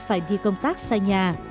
phải đi công tác xa nhà